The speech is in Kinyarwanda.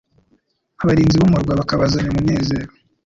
Abarinzi b'umurwa bakabazanya unmuezero: